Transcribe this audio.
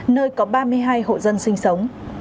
nơi có ba mươi hai hộ dân sinh sống